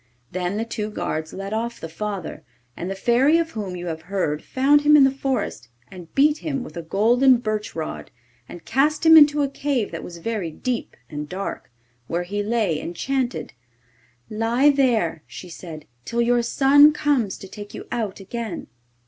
Then the two guards led off the father, and the Fairy of whom you have heard found him in the forest, and beat him with a golden birch rod, and cast him into a cave that was very deep and dark, where he lay enchanted. 'Lie there,' she said, 'till your son comes to take you out again.